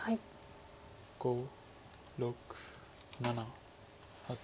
５６７８。